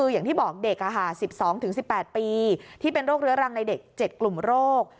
อย่างที่บอกเด็ก๑๒๑๘ปีที่เป็นโรคเรื้อรังในเด็ก๗กลุ่มโรค